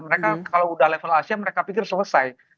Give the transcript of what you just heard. mereka kalau udah level asia mereka pikir selesai